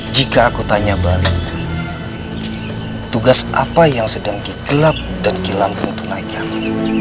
jika aku tanya balik tugas apa yang sedang digelap dan dilampung tunai kamu